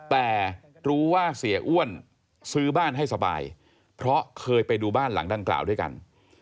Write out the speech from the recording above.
แต่รู้ว่าเสียอ้วนซื้อบ้านให้สบายเพราะเคยไปดูบ้านหลังดังกล่าวด้วยกัน